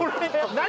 何？